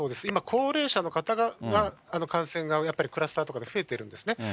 今、高齢者の方が感染がやっぱりクラスターとかで増えてるんですね。